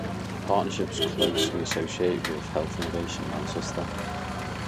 The partnership is closely associated with Health Innovation Manchester.